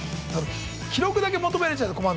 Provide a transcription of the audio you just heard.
記録だけ求められちゃうと困んのよ。